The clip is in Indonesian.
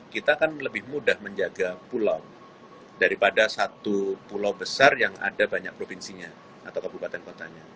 kita kan lebih mudah menjaga pulau daripada satu pulau besar yang ada banyak provinsinya atau kabupaten kotanya